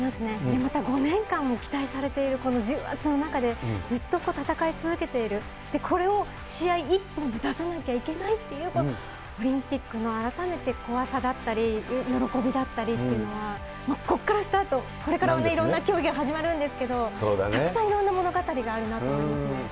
また５年間も期待されているこの重圧の中で、ずっと戦い続けている、これを試合一本で出さなきゃいけないっていう、オリンピックの改めて怖さだったり、喜びだったりっていうのは、ここからスタート、これからいろんな競技が始まるんですけど、たくさんいろんな物語があるなと思いますね。